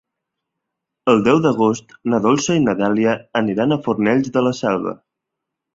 El deu d'agost na Dolça i na Dèlia aniran a Fornells de la Selva.